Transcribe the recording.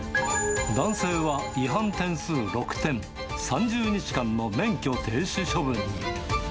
男性は違反点数６点、３０日間の免許停止処分に。